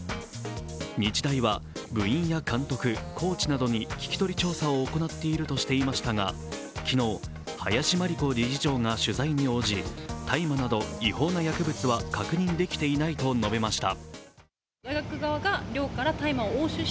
日大は部員や監督、コーチなどに聞き取り調査を行っているとしましたが昨日、林真理子理事長が取材に応じ大麻など違法な薬物は確認できていないと述べました。